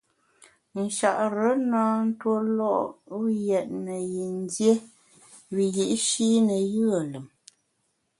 Nchare na ntue lo’ yètne yin dié wiyi’shi ne yùe lùm.